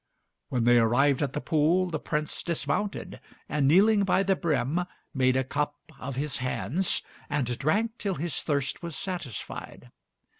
When they arrived at the pool, the Prince dismounted, and kneeling by the brim, made a cup of his hands and drank till his thirst was satisfied.